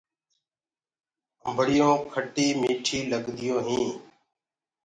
امڀڙيون کٽي ميٺي لگديٚونٚ هينٚ۔